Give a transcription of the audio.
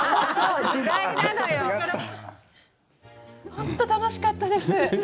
本当に楽しかったです。